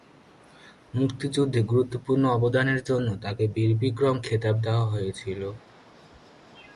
মুক্তিযুদ্ধে গুরুত্বপূর্ণ অবদানের জন্য তাকে ‘বীর বিক্রম’ খেতাব দেয়া হয়েছিল।